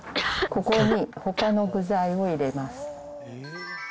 ここにほかの具材を入れます。